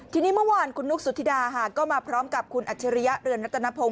ทีนี้เมื่อวานคุณนุ๊กสุธิดาก็มาพร้อมกับคุณอัจฉริยะเรือนรัตนพงศ